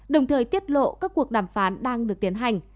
đồng thời tiết lộ các cuộc đàm phán đang được tiến hành